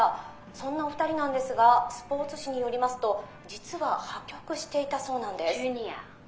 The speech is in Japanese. そんなお二人なんですがスポーツ紙によりますと実は破局していたそうなんです。